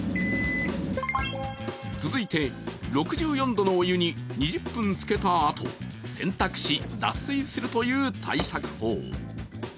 続いて６４度のお湯に２０分浸けたあと、洗濯し脱水するという対策法。